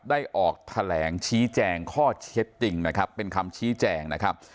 ได้ออกแถลงชี้แจงข้อเท็จจริงนะครับเป็นคำชี้แจงนะครับ